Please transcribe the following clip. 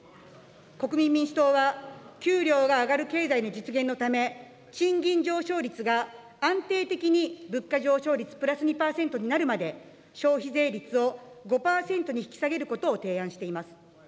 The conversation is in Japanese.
国民民主党は経済が上がる経済の実現のため、賃金上昇率が安定的に物価上昇率プラス２％になるまでなるまで、消費税率を５％になるまで引き下げることを提案しています。